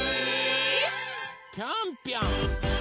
ぴょんぴょん！